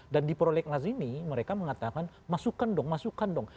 dan di proleklase ini mereka mengatakan masukkan dong masukkan dong